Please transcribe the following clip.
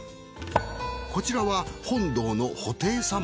こちらは本堂の布袋さま。